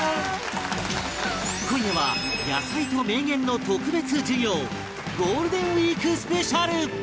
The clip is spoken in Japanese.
今夜は野菜と名言の特別授業ゴールデンウィークスペシャル